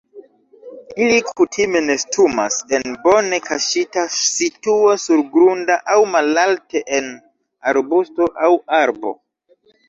Ili kutime nestumas en bone kaŝita situo surgrunda aŭ malalte en arbusto aŭ arbo.